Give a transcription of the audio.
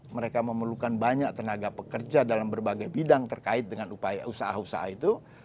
mereka memerlukan banyak tenaga pekerja dalam berbagai bidang terkait dengan usaha usaha itu